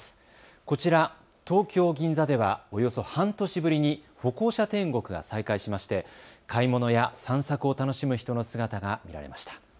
こちら、東京銀座ではおよそ半年ぶりに歩行者天国が再開しまして買い物や散策を楽しむ人の姿が見られました。